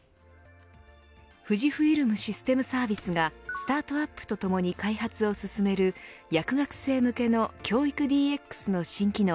フジフイルムシステムサービスがスタートアップとともに開発を進める薬学生向けの教育ＤＸの新機能。